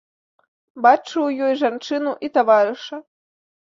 Бачыў у ёй жанчыну і таварыша.